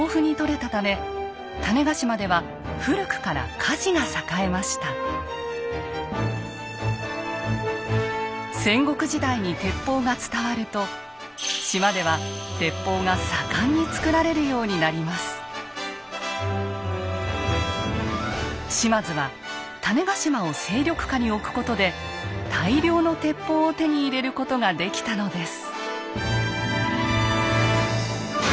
砂鉄が豊富に採れたため戦国時代に鉄砲が伝わると島では島津は種子島を勢力下に置くことで大量の鉄砲を手に入れることができたのです。